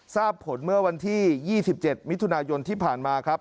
ทราบผลเมื่อวันที่๒๗มิถุนายนที่ผ่านมาครับ